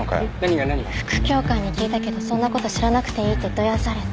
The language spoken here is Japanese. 副教官に聞いたけどそんなこと知らなくていいってどやされた。